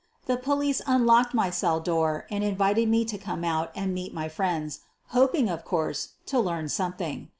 The police unlocked my cell door and invited me to come out and meet my friends, hoping, of course, to learn something.